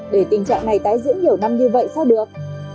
để tình trạng này tái diễn nhiều năm như vậy sao được